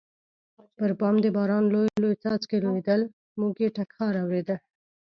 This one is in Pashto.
پر بام د باران لوی لوی څاڅکي لوېدل، موږ یې ټکهار اورېده.